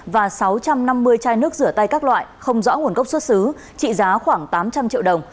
và sáu trăm năm mươi chai nước rửa tay các loại không rõ nguồn gốc xuất xứ trị giá khoảng tám trăm linh triệu đồng